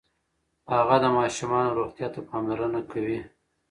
هغه د ماشومانو روغتیا ته پاملرنه کوي.